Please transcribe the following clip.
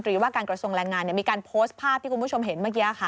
ว่าการกระทรวงแรงงานมีการโพสต์ภาพที่คุณผู้ชมเห็นเมื่อกี้ค่ะ